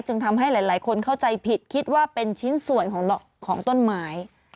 ทำให้หลายคนเข้าใจผิดคิดว่าเป็นชิ้นส่วนของต้นไม้